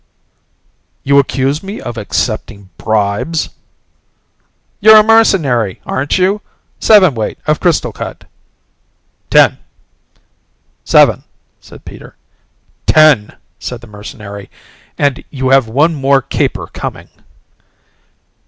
"You accuse me of accepting bribes?" "You re a mercenary, aren't you? Sevenweight of crystal cut." "Ten." "Seven," said Peter. "Ten," said the mercenary, "and you have one more caper coming."